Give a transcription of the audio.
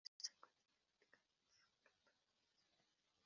Iseswa rya komite ryemezwa na abayigize